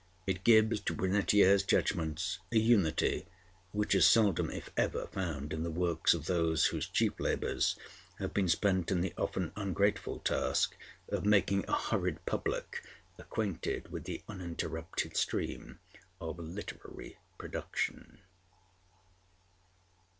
It gives to Brunetière's judgments a unity which is seldom if ever found in the works of those whose chief labors have been spent in the often ungrateful task of making a hurried public acquainted with the uninterrupted stream of literary production.